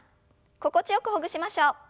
心地よくほぐしましょう。